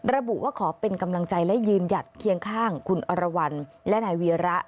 ระบุว่าขอเป็นกำลังใจและยืนหยัดเคียงข้างคุณอรวรรณและนายเวียระ